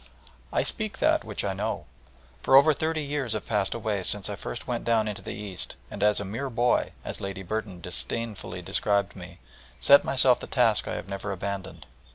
"I speak that which I know," for over thirty years have passed away since I first went down into the East, and as "a mere boy," as Lady Burton disdainfully described me, set myself the task I have never abandoned.